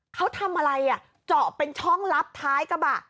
เขาทำอะไรอ่ะเจาะเป็นช่องลับท้ายกระบะ